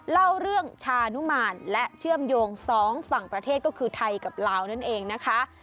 เล่าเรื่องชานุมานและเชื่อมโยงสองฝั่งประเทศก็คือไทยกับลาวนั่นเองนะคะ